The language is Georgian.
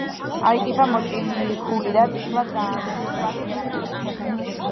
აიკრიფა მოჭიქული და წითლად გამომწვარი კერამიკული ფრაგმენტები.